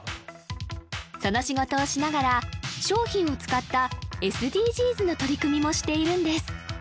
その仕事をしながら商品を使ったＳＤＧｓの取り組みもしているんです